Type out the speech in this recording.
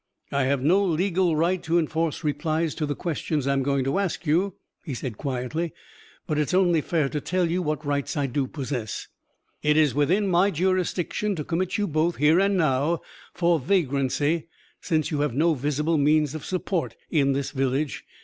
"I have no legal right to enforce replies to the questions I am going to ask you," he said quietly. "But it is only fair to tell you what rights I do possess. It is within my jurisdiction to commit you both, here and now, for vagrancy, since you have no visible means of support in this village.